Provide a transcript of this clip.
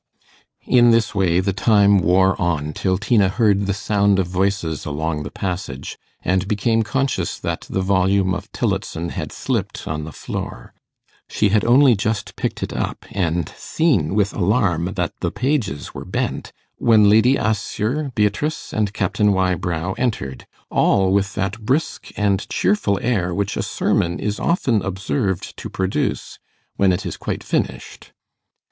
In this way the time wore on till Tina heard the sound of voices along the passage, and became conscious that the volume of Tillotson had slipped on the floor. She had only just picked it up, and seen with alarm that the pages were bent, when Lady Assher, Beatrice, and Captain Wybrow entered, all with that brisk and cheerful air which a sermon is often observed to produce when it is quite finished.